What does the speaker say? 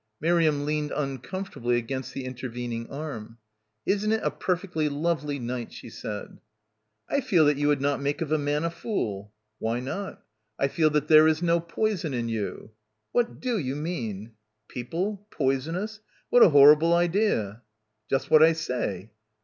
Miriam leaned uncomfortably against the in tervening arm. 'Isn't it a perfectly lovely night?" she said. "I feel that you would not make of a man a fool. ..." "Why not?" "I feel that there is no poison in you." "What do you mean?" People ... poison ous ... What a horrible idea. "Just what I say."